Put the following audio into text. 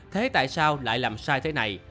thế tại sao lại làm sai thế này